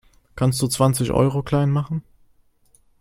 Kannst du zwanzig Euro klein machen?